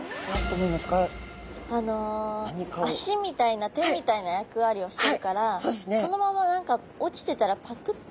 あの足みたいな手みたいな役割をしているからそのまま何か落ちてたらパクッて。